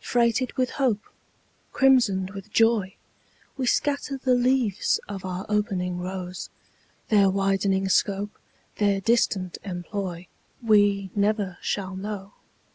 Freighted with hope, Crimsoned with joy, We scatter the leaves of our opening rose; Their widening scope, Their distant employ, We never shall know.